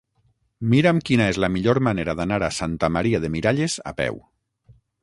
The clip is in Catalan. Mira'm quina és la millor manera d'anar a Santa Maria de Miralles a peu.